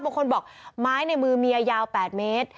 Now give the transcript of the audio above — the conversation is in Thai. บางคนบอกไม้ในมือเมียยาว๘เมตร